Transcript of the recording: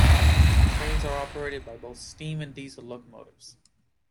Trains are operated by both steam and diesel locomotives.